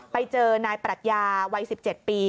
ไปเจอนายปรัชญาวัย๑๗ปี